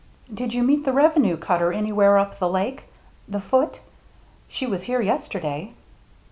" Did you meet the revenue cutter any where up the Lake — the Foote? She was here yesterday."